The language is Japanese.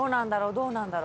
どうなんだろ？